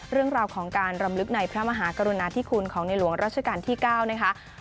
เรื่องราวของการรำลึกในพระมหากรุณาธิคุณของในหลวงราชการที่๙นะคะ